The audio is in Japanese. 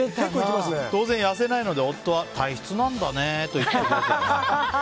当然痩せないので夫は体質なんだねと言っています。